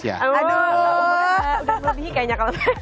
jangan bicara umur aja